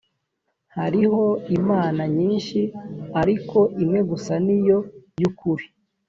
hariho imana nyinshi ariko imwe gusa ni yo y ukuri